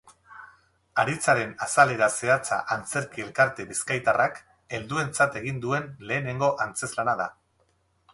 Haritzaren azalera zehatza antzerki elkarte bizkaitarrak helduentzat egin duen lehenengo antzezlana da.